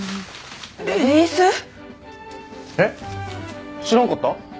えっ知らなかった？